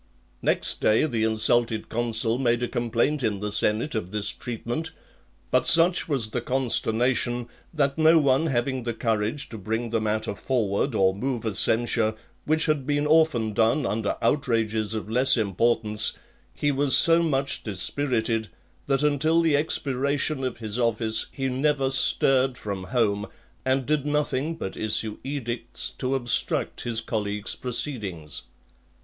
Next day the insulted consul made a complaint in the senate of this treatment; but such was the consternation, that no one having the courage to bring the matter forward or move a censure, which had been often done under outrages of less importance, he was so much dispirited, that until the expiration of his office he never stirred from home, and did nothing but issue edicts to obstruct his colleague's proceedings.